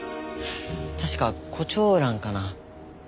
確か胡蝶蘭かな？